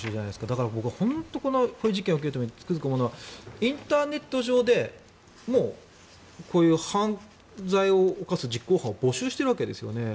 だから僕は本当こういう事件が起こる度につくづく思うのはインターネット上でこういう犯罪を犯す実行犯を募集しているわけですよね。